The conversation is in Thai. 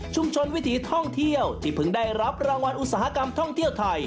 วิถีท่องเที่ยวที่เพิ่งได้รับรางวัลอุตสาหกรรมท่องเที่ยวไทย